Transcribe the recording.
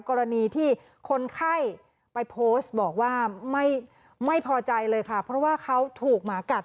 กรณีที่คนไข้ไปโพสต์บอกว่าไม่พอใจเลยค่ะเพราะว่าเขาถูกหมากัด